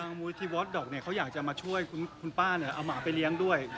ทางมูลทวอนดด็อกเนี้ยเขายากจะมาช่วยคุณพ้าน่ะเอาหมาไปเลี้ยงด้วย